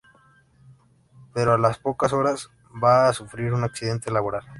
Pero a las pocas horas, va a sufrir un accidente laboral.